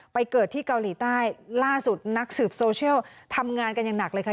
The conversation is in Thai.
เกิดที่เกาหลีใต้ล่าสุดนักสืบโซเชียลทำงานกันอย่างหนักเลยค่ะ